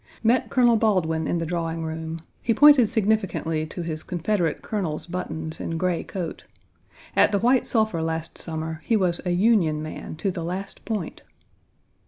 Met Colonel Baldwin in the drawing room. He pointed significantly to his Confederate colonel's buttons and gray coat. At the White Sulphur last summer he was a "Union man" to the last point.